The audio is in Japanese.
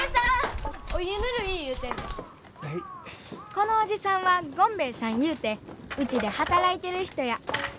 このおじさんはゴンベエさんいうてウチで働いてる人や。